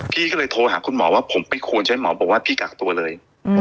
พี่ก็เลยโทรหาคุณหมอว่าผมไม่ควรใช้หมอบอกว่าพี่กักตัวเลย